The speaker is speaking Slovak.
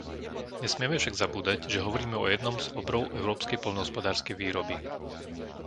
Nesmieme však zabúdať, že hovoríme o jednom z obrov európskej poľnohospodárskej výroby.